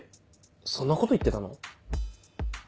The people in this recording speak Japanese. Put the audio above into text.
そんなこと言ってたの？